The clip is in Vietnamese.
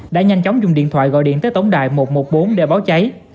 đã nhanh chóng dùng điện thoại gọi điện tới tổng đài một trăm một mươi bốn để báo cháy